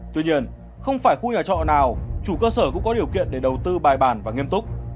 tuy nhiên không phải khu nhà trọ nào chủ cơ sở cũng có điều kiện để đầu tư bài bản và nghiêm túc